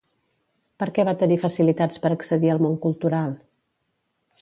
Per què va tenir facilitats per accedir al món cultural?